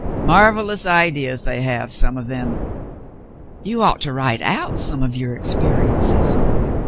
Marvellous ideas they have, some of them." "You ought to write out some of your experiences."